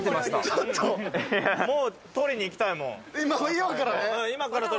もう採りに行きたいもん。